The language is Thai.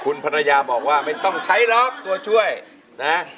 คุณภรรยาบอกว่าไม่ต้องใช้หรอกตัวช่วยนะ